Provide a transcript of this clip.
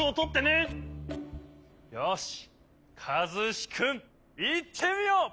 よしかずしくんいってみよう！